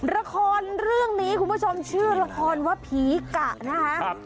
ละครเรื่องนี้คุณผู้ชมชื่อละครว่าผีกะนะคะ